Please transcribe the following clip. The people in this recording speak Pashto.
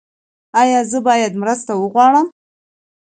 ایا زه باید مرسته وغواړم؟